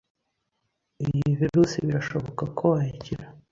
iyo virusi birashoboka ko wayikira